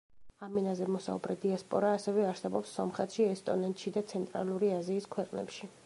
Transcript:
ამ ენაზე მოსაუბრე დიასპორა ასევე არსებობს სომხეთში, ესტონეთში და ცენტრალური აზიის ქვეყნებში.